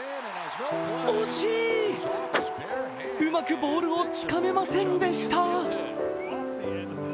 うまくボールをつかめませんでした。